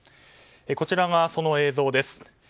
こちらが、その映像です。